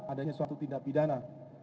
adanya suatu tindak pidana